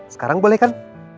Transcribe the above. sekarang boleh kan